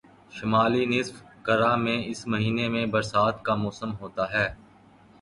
شمالی نصف کرہ میں اس مہینے میں برسات کا موسم ہوتا ہے